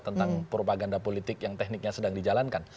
tentang propaganda politik yang tekniknya sedang dijalankan